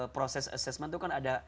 proses assessment itu kan ada